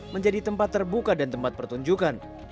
menjadi tempat terbuka dan tempat pertunjukan